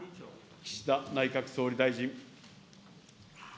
岸田内閣総理大臣。